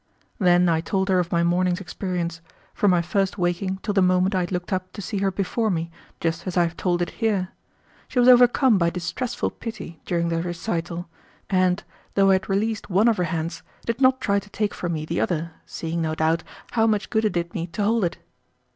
Then I told her of my morning's experience, from my first waking till the moment I had looked up to see her before me, just as I have told it here. She was overcome by distressful pity during the recital, and, though I had released one of her hands, did not try to take from me the other, seeing, no doubt, how much good it did me to hold it.